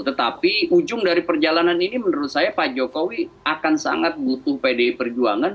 tetapi ujung dari perjalanan ini menurut saya pak jokowi akan sangat butuh pdi perjuangan